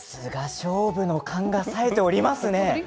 勝負の勘がさえておりますね。